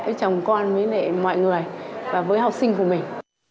với chồng con với mọi người và với học sinh của mình